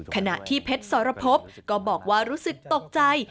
ขณะที่เพชรสรพบก็บอกว่ารู้สึกตกใจ